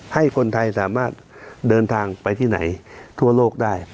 ให้คนไทยสามารถเดินทางไปที่ไหนทั่วโลกได้